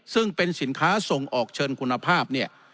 ซึ่งเป็นสินค้าส่งออกเชิญคุณภาพเนี่ย